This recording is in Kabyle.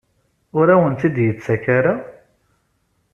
Ur awen-tt-id-yettak ara?